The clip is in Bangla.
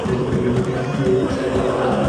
তিনি আর্থিক সহযোগিতা প্রদান করতেন।